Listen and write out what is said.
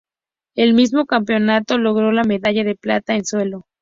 En el mismo campeonato, logró la medalla de plata en suelo.